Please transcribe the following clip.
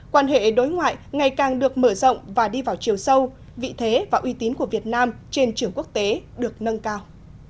quan hệ đối ngoại ngày càng được mở rộng và đi vào chiều sâu vị thế và uy tín của việt nam trên trường quốc tế được nâng cao